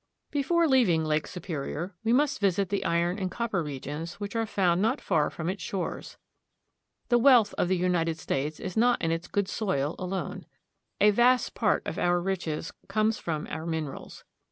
BEFORE leaving Lake Superior, we must visit the iron and copper regions which are found not far from its shores. The wealth of the United States is not in its good soil alone. A vast part of our riches comes from our min erals.